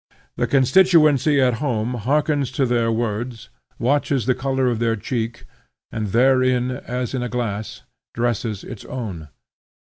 The constituency at home hearkens to their words, watches the color of their cheek, and therein, as in a glass, dresses its own.